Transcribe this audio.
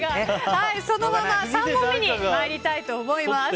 そのまま３問目に参りたいと思います。